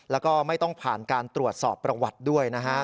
แล้วก็ไม่ต้องผ่านการตรวจสอบประวัติด้วยนะฮะ